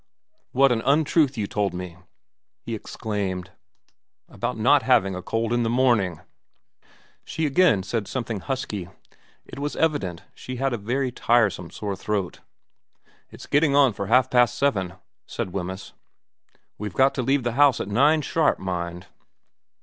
' What an untruth you told me,' he exclaimed, * about not having a cold in the morning !' She again said something husky. It was evident she had a very tiresome sore throat. ' It's getting on for half past seven/ said Wemyss. * We've got to leave the house at nine sharp, mind.'